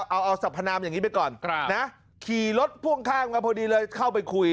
เอาเอาสรรพนามอย่างนี้ไปก่อนนะขี่รถพ่วงข้างมาพอดีเลยเข้าไปคุย